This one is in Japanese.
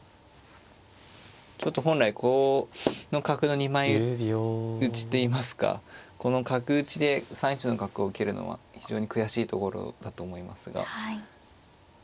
ちょっと本来この角の２枚打ちといいますかこの角打ちで３一の角を受けるのは非常に悔しいところだと思いますが。